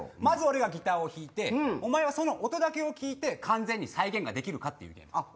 まず俺がギターを弾いてお前はその音だけを聴いて完全に再現ができるかってゲーム。